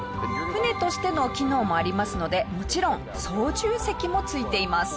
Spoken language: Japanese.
船としての機能もありますのでもちろん操縦席もついています。